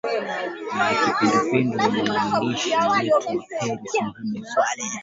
na kipindupindu mwandishi wetu wa paris mohamed saleh